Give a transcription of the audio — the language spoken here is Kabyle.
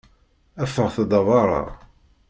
Ffɣet-d ar beṛṛa!